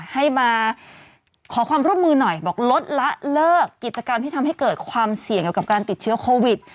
ให้มาขอความร่วมมือหน่อยบอกลดละเลิกกิจกรรมที่ทำให้เกิดความเสี่ยงเกี่ยวกับการติดเชื้อโควิด